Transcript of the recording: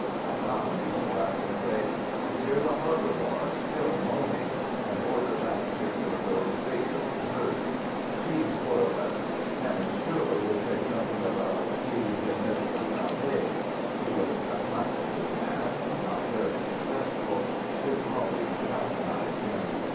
Madame used to laugh and say, 'I hear the harbour bar still moaning,' and order that particular girl's favourite dessert. She spoiled us. And Monsieur would say something about si jeunesse savait. He was a nice old man, not very successful; his colleagues patronized him.